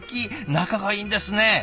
仲がいいんですね。